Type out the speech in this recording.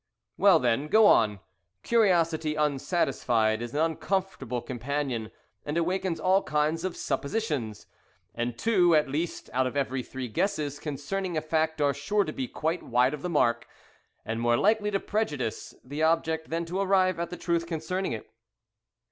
"Well, then, go on. Curiosity unsatisfied is an uncomfortable companion, and awakens all kinds of suppositions; and two, at least, out of every three guesses concerning a fact are sure to be quite wide of the mark, and more likely to prejudice the object than to arrive at the truth concerning it."